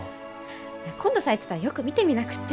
今度咲いてたらよく見てみなくっちゃ。